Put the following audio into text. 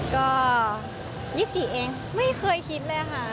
ก็๒๔เองไม่เคยคิดเลยค่ะ